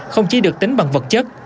không chỉ được tính bằng vật chất